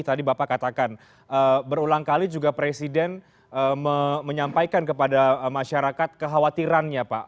tadi bapak katakan berulang kali juga presiden menyampaikan kepada masyarakat kekhawatirannya pak